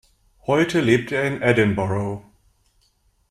Heute lebt er in Edinburgh.